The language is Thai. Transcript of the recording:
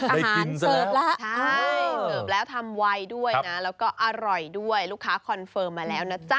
อาหารเสิร์ฟแล้วใช่เสิร์ฟแล้วทำไวด้วยนะแล้วก็อร่อยด้วยลูกค้าคอนเฟิร์มมาแล้วนะจ๊ะ